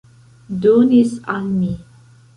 Donis al mi.